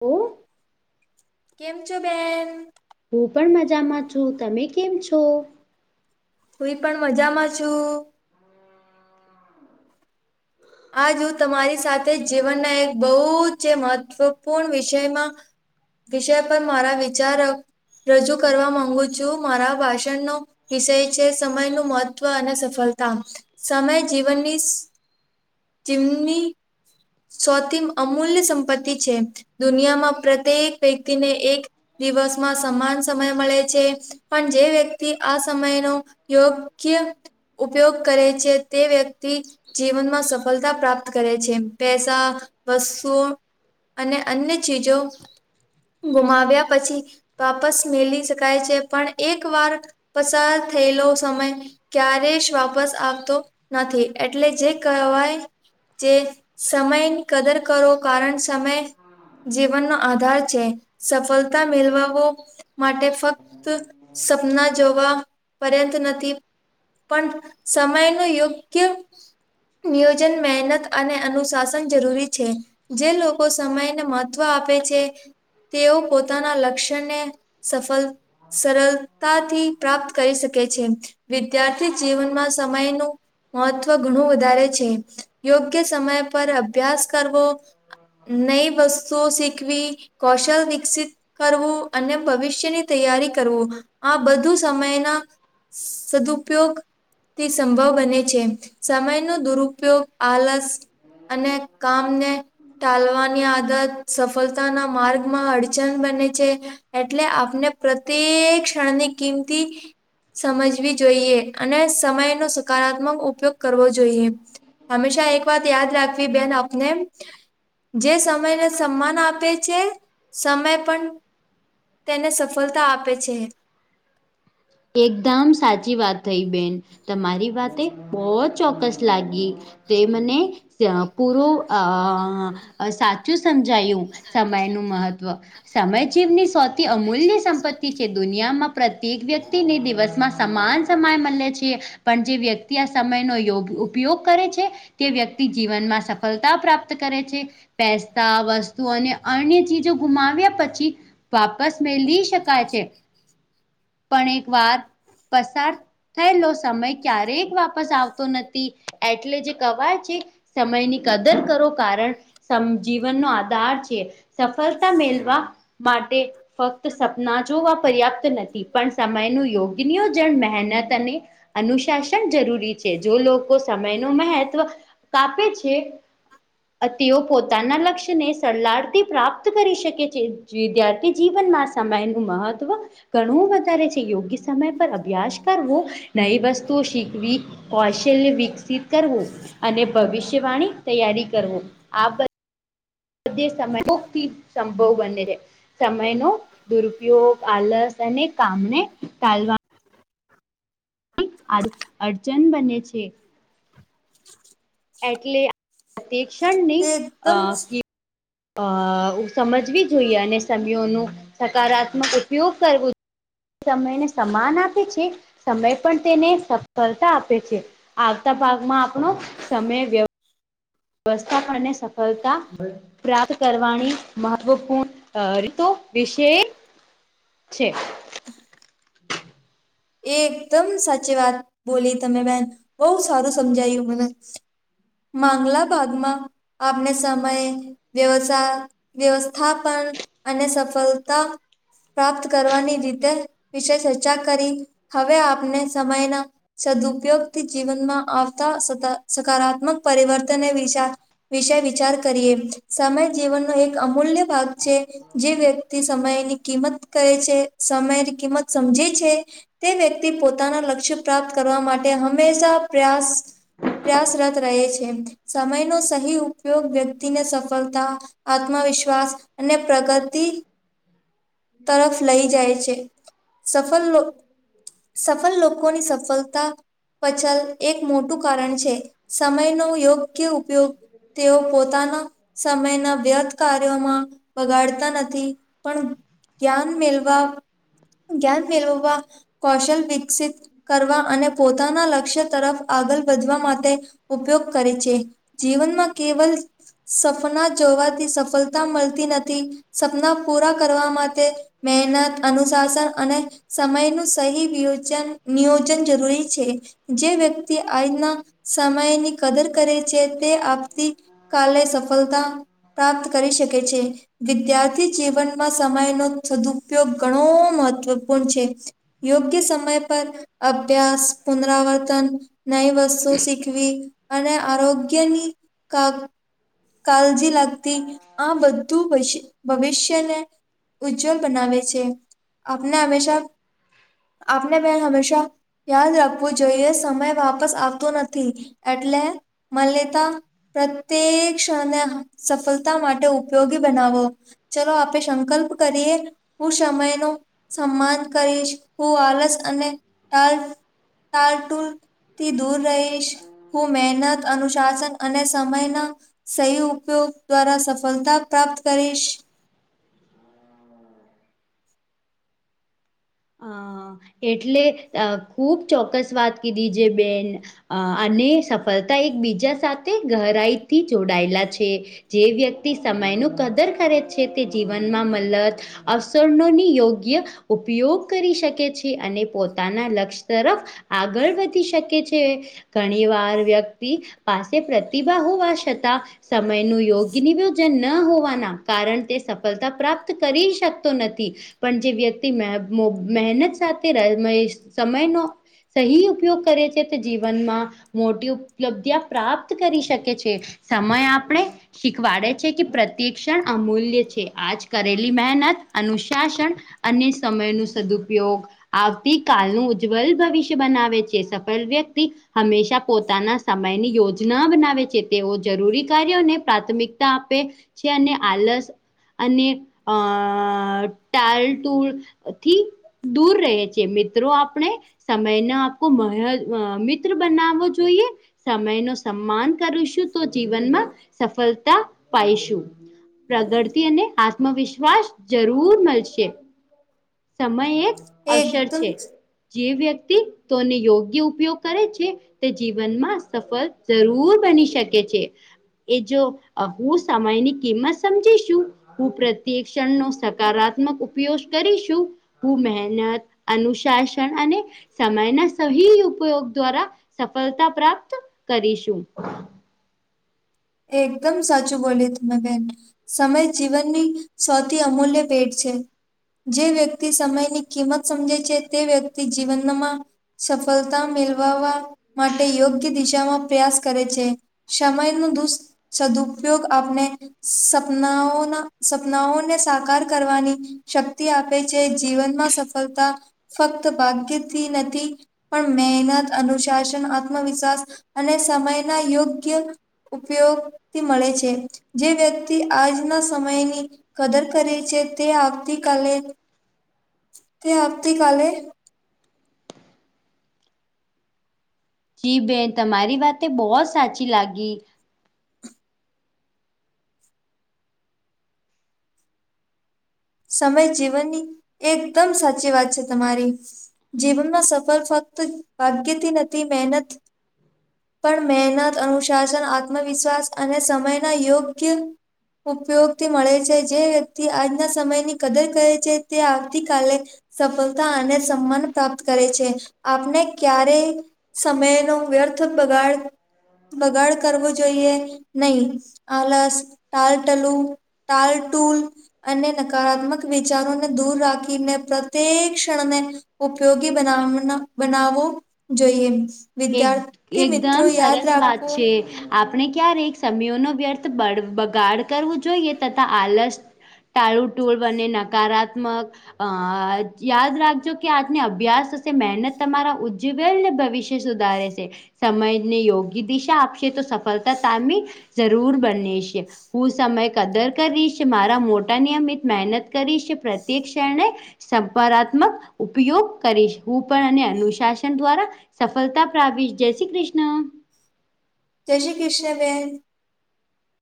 ઓ. કેમ છો બેન? હું પણ મજામાં છું. તમે કેમ છો? હુંઈ પણ મજામાં છું. આજ હું તમારી સાથે જીવનના એક બહુ જ મહત્વપૂર્ણ વિષયમાં વિષય પર મારા વિચાર રજૂ કરવા માંગુ છું મારા ભાષણનો વિષય છે સમયનું મહત્ત્વ અને સફળતા સમય જીવનની સ ચિમની સૌથી અમૂલ્ય સંપત્તિ છે દુનિયામાં પ્રત્યેક વ્યક્તિને એક દિવસમાં સમાન સમય મળે છે પણ જે વ્યક્તિ આ સમયનો યોગ્ય ઉપયોગ કરે છે તે વ્યક્તિ જીવન માં સફળતા પ્રાપ્ત કરે છે પેસા વસુ અને અન્ય ચીજો ગુમાવ્યા પછી વાપસ મેળવી શકાય છે પણ એક વાર પસાર થયેલો સમય ક્યારે જ વાપસ આવતો નથી એટલે જે કહેવાય જે સમયની કદર કરો કારણ સમય જીવનનો આધાર છે સફળતા મેલવવો માટે ફક્ત સપના જોવા પર્યંત નથી પણ સમયનો યોગ્ય નિયોજન મહેનત અને અનુશાસન જરૂરી છે જે લોકો સમયને મહત્વ આપે છે તેઓ પોતાના લક્ષ્યને સફળ સરળતાથી પ્રાપ્ત કરી શકે છે વિદ્યાર્થી જીવનમાં સમયનું મહત્વ ઘણું છે, યોગ્ય સમય પર અભ્યાસ કરવો નહીં વસ શું શીખવી કૌશલ વિકસિત કરવું અને ભવિષ્યની તૈયારી કરવું સમયના સદુપયોગથી સંભવ બને છે સમય નો દુરુપયોગ આલસ અને કામને ટાલવાની આદત સફળતાના માર્ગમાં અડચણ‌ બંને છે. એટલે આપને પ્રત્યેક ક્ષણની કિંમતી સમજવી જોઈએ અને સમયનો સકારાત્મક ઉપયોગ કરવો જોઈ જોઈએ હંમેશા એક વાત યાદ રાખવી બેન આપ ને જે સમયને સન્માન આપે છે સમય પણ. તેને સફળતા આપે છે એકદમ સાચી વાત થઈ બેન. તમારી વાતે બહુ જ ચોક્કસ લાગી તે મને પૂરું અ સાચું સમજાયું સમયનું મહત્ત્વ સમય જીવની સૌથી અમૂલ્ય સંપત્તિ છે દુનિયામાં પ્રત્યેક વ્યક્તિ. વ્યક્તિને દિવસમાં સમાન સમાય મળે છે. પણ જે વ્યક્તિ આ સમયનો યોગ ઉપયોગ કરે છે, કે વ્યક્તિ જીવનમાં સફળતા કરે છે પૈસા વસ્તુ અને અન્ય ચીજો ગુમાવ્યા પછી વાપસ મેલી શકાય છે પણ એકવાર પસાર થયેલો સમય ક્યારેક વાપસ આવતો નથી એટલે જે કવાય છે સમયની કદર કરો કારણ જીવનનો આધાર છે, સફળતા મેલવા માટે ફક્ત સપના જોવા પર્યાપ્ત નથી પણ સમય નું યોગ્ય નિયોજન મહેનત અને અનુશાસન જરૂરી છે. જો લોકો સમયનો મહેત્વ કાપે છે તેઓ પોતાનાં લક્ષ્યને સરલાળથી પ્રાપ્ત કરી શકે છે. જે વિદ્યાર્થી જીવનમાં સમયનું મહત્વ ઘણું બધું કરે છે. યોગ્ય સમય પર અભ્યાસ કરવો, નવી વસ્તુઓ શીખવી, કૌશલ્ય વિકસિત કરવું. અને ભવિષ્યવાણી તૈયારી કરવું. આ બધું મધ [unintelligible] સમય મુક્તિ સંભવ બને છે. સમયનો દુરુપયોગ, આલસ અને કામને ટાલવા [unintelligible] અડચન બને છે. એટલે [unintelligible] તે ક્ષણની અ એકદમ [unintelligible] અ સમજવી જોઈએ, અને સમીયોનુ સકારાત્મક ઉપયોગ કરવો સમયને સમાન આપે છે, સમય પણ તેને સફળતાં આપે છે. આવતાં ભાગમાં આપણો સમય વ્ય વસ્તા પરને સફળતાં પ્રાપ્ત કરવાની મહત્વપૂર્ણ રીતો વિશે છે. એકદમ સાચીવાત બોલી તમે બેન બહુ સારું સમજાયું મને. માંગલા ભાગમાં આપણે સમય વ્યવસા વ્યવસ્થાપન અને સફલતા પ્રાપ્ત કરવાની રીતે વિશે ચર્ચા કરી હવે આપને સમયનાં સદુપયોગથી જીવનમાં આવતાં સતા સકારાત્મક પરિવર્તન ને વિચાર વિશે વિચાર કરીએ. સમય જીવનનો એક અમૂલ્ય ભાગ છે. જે વ્યક્તિ સમયની કિંમત કરે છે. સમયની કિંમત સમજે છે. તે વ્યક્તિ પોતાનાં લક્ષ્ય પ્રાપ્ત કરવા માટે હંમેશાં પ્રયાસ પ્રયાસરત રહે છે. સમયનો સહી ઉપયોગ વ્યક્તિને સફલતા આત્મવિશ્વાસ અને પ્રગતિ તરફ લઈ જાય છે. સફલ સફલ લોકોની સફલતા પછલ એક મોટું કારણ છે. સમયનો યોગ્ય ઉપયોગ તેઓ પોતાનાં સમયનાં વ્યથૅ કાર્યોમાં બગાડતાં નથી. પણ, જ્ઞાન મેલવા, જ્ઞાન મેલવવા, કૌશલ વિકસિત કરવા અને પોતાનાં લક્ષ્ય તરફ આગલ વધવા માટે ઉપયોગ કરે છે. જીવનમાં કેવલ સપના જોવાથી સફલતા મલતી નથી. સપના પૂરા કરવા માટે મહેનત, અનુશાસન અને સમયનું સહી વિયોચન નિયોજન જરૂરી છે. જે વ્યક્તિ આજૂના સમયની કદર કરે છે. તે આવતી કાલે સફલતા પ્રાપ્ત કરી શકે છે. વિદ્યાર્થી જીવનમાં સમયનો સદુપયોગ ઘણો મહત્વપૂર્ણ છે. યોગ્ય સમય પર અભ્યાસ, પુનરાવર્તન નઈ વસ્તુ શીખવી અને આરોગ્યની કા કાલજી લાગતી આ બધું ભસી ભવિષ્ય ભવિષ્યને ઉજ્જવલ બનાવે છે. આપને હંમેશાં આપને મેં હમેશા યાદ રાખવું જોઈએ. સમય વાપસ આવતો નથી એટલે માલ્યતા પ્રત્યેક ક્ષણને સફલતા માટે ઉપયોગી બનાવો. ચલો આપે સંકલ્પ કરીએ હું સમયનો સમ્માન કરીશ. હું આલસ અને ટાલ ટાલ ટુલ થી દૂર રહીશ. હું મહેનત, અનુશાસન અને સમયના સહી ઉપયોગ દ્વારા સફલતા પ્રાપ્ત કરીશ. અ એટલે અ ખુબ ચોક્કસ વાત કીધી જે બેન અ અને સફલતા એકબીજા સાથે ગહરાઈથી જોડાયેલા છે. જે વ્યક્તિ સમયનું કદર કરે છે તે જીવનમાં મલત અવસરનોની યોગ્ય ઉપયોગ કરી શકે છે અને પોતાના લક્ષ્ય તરફ આગળ વધી શકે છે. ઘણીવાર વ્યક્તિ પાસે પ્રતિભા હોવા છતાં સમયનું યોગ્ય નિવેયોજન ન હોવાના કારણ તે સફલતા પ્રાપ્ત કરી શકતો નથી. પણ જે વ્યક્તિ મે મો મહેનત સાથે ર મય સમયનો સહી ઉપયોગ કરે છે તે જીવનમાં મોટી ઉપલબ્ધિ યા પ્રાપ્ત કરી શકે છે. સમય આપણે શીખવાડે છે કે પ્રત્યેક ક્ષણ અમૂલ્ય છે. આજ કરેલી મહેનત, અનુશાસન અને સમયનું સદુપયોગ આવતી કાલનું ઉજ્જવલ ભવિષ્ય બનાવે છે. સફલ વ્યક્તિ હંમેશા પોતાના સમયની યોજના બનાવે છે. તેઓ જરૂરી કાર્યોને પ્રાથમિકતા આપે છે અને આલસ અને અ ટાલટુળ થી દૂર રહે છે મિત્રો આપણે સમય ને આખૂ મય મિત્ર બનાવો જોઈએ. સમય નુ સન્માન કરુંશું તો જીવનમાં સફળતા પાઈશું. પ્રગતિ અને આત્મવિશ્વાસ જરૂર મળશે. સમય એક એ અવસર એકદમ છે જે વ્યક્તિ તોને યોગ્ય ઉપયોગ કરે છે. તે જીવનમાં સફળ જરૂર બની શકે છે. એ જો હું સમયની કિંમત સમજીશું હું પ્રત્યેક ક્ષણ નો સકારાત્મક ઉપયોગ કરીશ હું મહેનત અનુશાસન અને સમયના સહી ઉપયોગ દ્વારા સફળતા પ્રાપ્ત કરીશું એકદમ સાચું બોલી તમે બેન સમય જીવનની સૌથી અમૂલ્ય ભેટ છે. જે વ્યક્તિ સમયની કિંમત સમજે છે તે વ્યક્તિ જીવનમાં સફળતા મેળવવા માટે યોગ્ય દિશામાં પ્રયાસ કરે છે સમયનું દુષ સદુપયોગ આપને સપનાઓના સપનાઓને સાકાર કરવાની શક્તિ આપે છે જીવનમાં સફળતા ફક્ત ભાગ્યથી નથી પણ મહેનત અનુશાસન આત્મવિશ્વાસ અને સમયના યોગ્ય ઉપયોગથી મળે છે જે વ્યક્તિ આજના સમયની કદર કરે છે તે આવતી કાલે તે આવતી કાલે જી બેન તમારી વાતે બો સાચી લાગી સમય જીવનની એકદમ સાચી વાત છે તમારી જીવનમાં સફર ફક્ત ભાગ્યથી નથી મહેનત પણ મહેનત, અનુશાસન, આત્મવિશ્વાસ અને સમયના યોગ્ય ઉપયોગથી મળે છે, જે વ્યક્તિ આજના સમયની કદર કરે છે, તે આવતીકાલે સફલતા અને સન્માન પ્રાપ્ત કરે છે, આપને ક્યારે સમયનો વ્યર્થ બગાડ બગાડ કરવો જોઈએ નહી આલસ ટાલટલું તાલટુલ અને ન કારાત્મક વિચારોને દૂર રાખીને પ્રત્યેક ક્ષણને ઉપયોગી બનાવન બનાવવો જોઈએ. એક વિદ્યાર્થી મિત્રો એકદમ યાદ સરસ વાત રાખવું છે. આપણે ક્યારેક સમીયનો વ્યર્થ બ બગાડ કરવું જોઈએ તથા આલસ ટાળું ટૂળ બને નકારાત્મક અ યાદ રાખજો કે આજને અભ્યાસ હશે મહેનત તમારા ઉજ્જવેલને ભવિ સુધારે છે, સમયને યોગ્ય દિશા આપશે તો સફલતા તામે જરૂર બને છે. હું સમય કદર કરીશ મારા મોટા નિયમિત મહેનત કરીશ પ્રત્યેક ક્ષણે સંકારાત્મક ઉપયોગ કરીશ હું પણ અને અનુશાસન દ્વારા સફલતા પ્રાવિસ જય શ્રી કૃષ્ણ જય શ્રી કૃષ્ણ બેન.